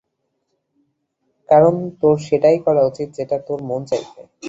কারণ তোর সেটাই করা উচিত, যেটা করতে তোর মন চাইবে।